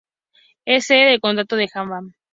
Es sede del condado de Graham.